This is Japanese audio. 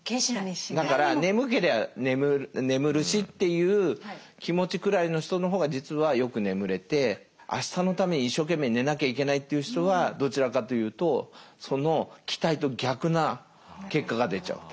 だから眠けりゃ眠るしっていう気持ちくらいの人の方が実はよく眠れてあしたのために一生懸命寝なきゃいけないっていう人はどちらかというとその期待と逆な結果が出ちゃうと。